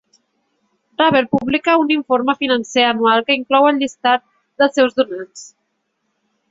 Rabble publica un informe financer anual que inclou el llistat dels seus donants.